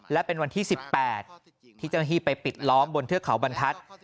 และเป็นวันที่๑๘ที่เจ้าหน้าที่ไปปิดล้อมบนเทือกเขาบรรทัศน์